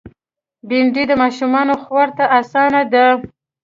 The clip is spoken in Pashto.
بېنډۍ د ماشومو خوړ ته آسانه ده